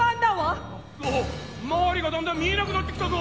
くそ周りがだんだん見えなくなってきたぞ。